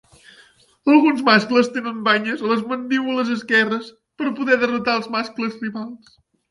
Alguns mascles tenen banyes a les mandíbules esquerres per poder derrotar els mascles rivals.